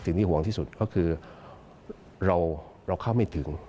ที่ห่วงที่สุดก็คือเราเข้าไม่ถึง